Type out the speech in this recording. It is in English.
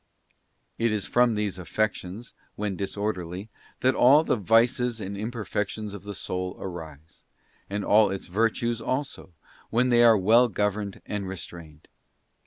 It is from these affections, when disorderly, that all the vices and imperfections of the soul arise; and all its virtues also, when they are well governed and restrained.